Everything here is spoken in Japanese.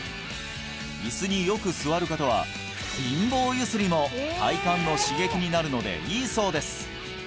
椅子によく座る方は貧乏揺すりも体幹の刺激になるのでいいそうです